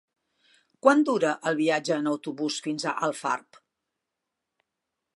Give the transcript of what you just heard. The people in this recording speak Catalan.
Quant dura el viatge en autobús fins a Alfarb?